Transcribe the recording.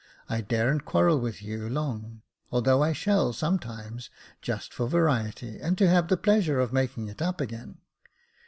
I daren't quarrel with you long, although I shall sometimes, just for variety, and to have the pleasure of making it up again.